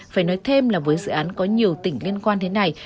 phải nói thêm là với dự án có nhiều tỉnh liên quan thế này